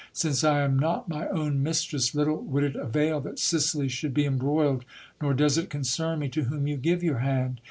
Since I am not my 130 GIL BLAS. own mistress, little would it avail that Sicily should be embroiled, nor does it concern me to whom you give your hand.